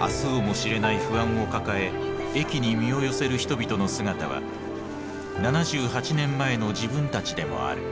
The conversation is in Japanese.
明日をも知れない不安を抱え駅に身を寄せる人々の姿は７８年前の自分たちでもある。